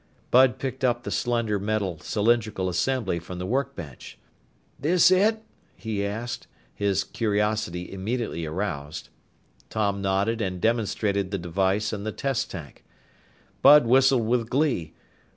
Bud picked up the slender metal cylindrical assembly from the workbench. "This it?" he asked, his curiosity immediately aroused. Tom nodded and demonstrated the device in the test tank. Bud whistled with glee.